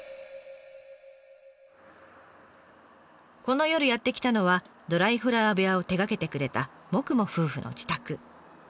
この夜やって来たのはドライフラワー部屋を手がけてくれたｍｏｋｕｍｏ夫婦の自宅。